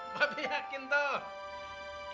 bapak bi yakin tuh